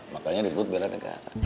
makanya disebut bela negara